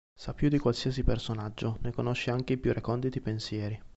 Sa più di qualsiasi personaggio, ne conosce anche i più reconditi pensieri.